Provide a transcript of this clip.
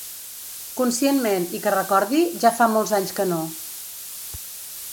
Conscientment i que recordi, ja fa molts anys que no.